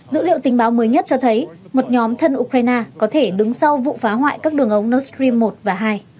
dữ liệu tình báo mới nhất cho thấy một nhóm thân ukraine có thể đứng sau vụ phá hoại các đường ống noteri một và hai